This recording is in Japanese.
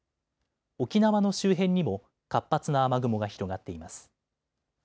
沖縄の周辺にも活発な雨雲が広がっています。